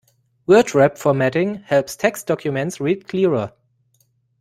Word wrap formatting helps text documents read clearer.